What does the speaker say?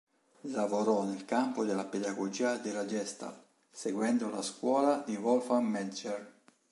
Lavorò nel campo della pedagogia della Gestalt, seguendo la "scuola" di Wolfgang Metzger.